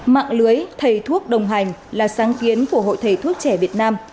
mạng lưới thầy thuốc đồng hành là sáng kiến của hội thầy thuốc trẻ việt nam